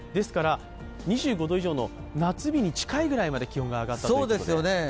２５度以上の夏日に近いぐらいまで気温が上がったということで。